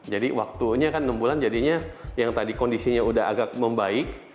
jadi waktunya kan enam bulan jadinya yang tadi kondisinya udah agak membaik